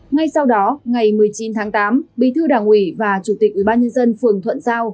ngay sau đó ngày một mươi chín tháng tám bí thư đảng ủy và chủ tịch ubnd phường thuận giao